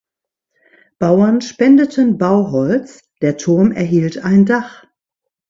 Bauern spendeten Bauholz; der Turm erhielt ein Dach.